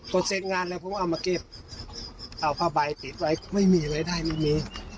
พอเสร็จงานแล้วผมเอามาเก็บเอาผ้าใบติดไว้ไม่มีไว้ได้ไม่มี